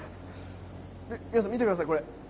皆さん見てください、これ。